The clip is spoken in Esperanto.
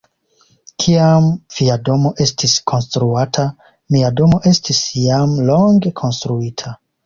Kiam via domo estis konstruata, mia domo estis jam longe konstruita.